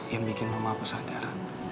yang bikin mama aku sadar